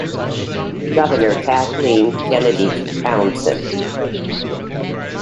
Governor Kathleen Kennedy Townsend.